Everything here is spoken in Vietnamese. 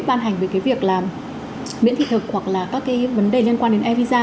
ban hành về cái việc là miễn thị thực hoặc là các cái vấn đề liên quan đến ai visa